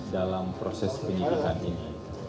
dalam proses penyelidikan ini